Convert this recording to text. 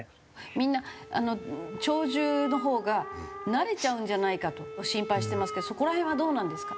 みんなあの鳥獣のほうが慣れちゃうんじゃないかと心配してますけどそこら辺はどうなんですか？